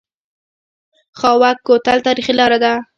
خاوک کوتل تاریخي لاره ده؟